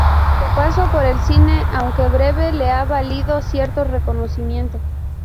Su paso por el cine, aunque breve, le ha valido cierto reconocimiento.